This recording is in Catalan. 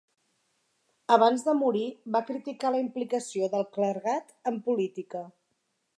Abans de morir va criticar la implicació del clergat en política.